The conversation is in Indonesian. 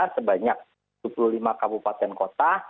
sebanyak tujuh puluh lima kabupaten kota